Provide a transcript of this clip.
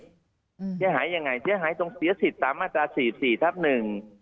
เสียหายยังไงเสียหายตรงเสียสิทธิ์ตามมาตราสี่สี่ทับหนึ่ง